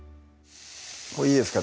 もういいですか？